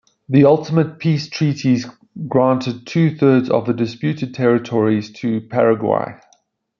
The ultimate peace treaties granted two-thirds of the disputed territories to Paraguay.